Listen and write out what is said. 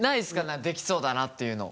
何かできそうだなっていうの。